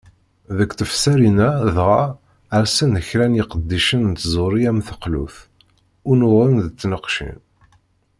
Deg tefsarin-a dɣa, rsen-d kra n yiqeddicen n tẓuri am teklut, unuɣen d tneqcin.